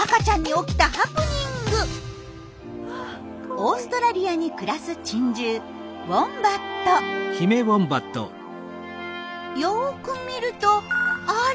オーストラリアに暮らす珍獣よく見るとあれ？